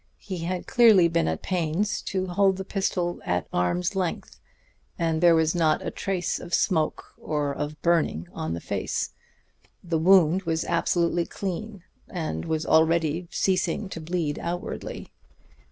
He had clearly been at pains to hold the pistol at arm's length, and there was not a trace of smoke or of burning on the face. The wound was absolutely clean, and was already ceasing to bleed outwardly.